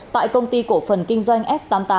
tại công ty cổ phần kinh doanh s tám mươi tám